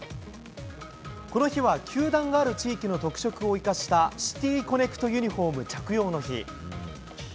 この日は、球団がある地域の特色を生かしたシティー・コネクト・ユニホーム着用の日。